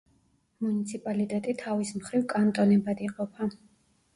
მუნიციპალიტეტი თავის მხრივ კანტონებად იყოფა.